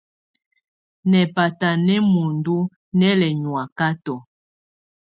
Nɛ́ batá nɛ́ muǝndú nɛ́ lɛ nyɔ̀ákatɔ.